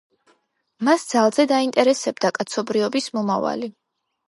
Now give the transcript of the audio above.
მას ძალზედ აინტერესებდა კაცობრიობის მომავალი.